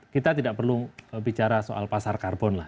kita tidak perlu bicara soal pasar karbon lah